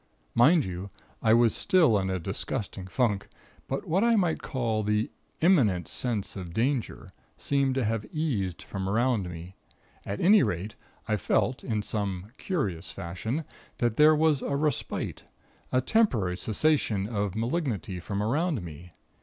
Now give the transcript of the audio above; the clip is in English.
Mind you, I was still in a disgusting funk; but what I might call the 'imminent sense of danger' seemed to have eased from around me; at any rate, I felt, in some curious fashion, that there was a respite a temporary cessation of malignity from about me.